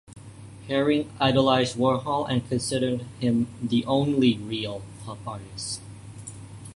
Haring idolized Warhol and considered him the only "real" Pop artist.